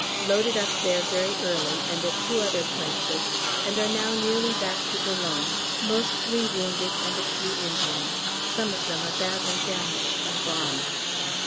Loaded up there very early and at two other places, and are now nearly back to Boulogne, mostly wounded and a few Indians; some of them are badly damaged by bombs.